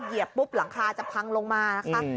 เหยียบปุ๊บหลังคาจะพังลงมานะคะ